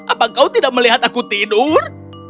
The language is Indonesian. apa kau tidak melihat aku tidur